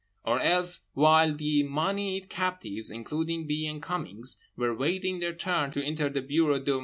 Or else, while the moneyed captives (including B. and Cummings) were waiting their turn to enter the bureau de M.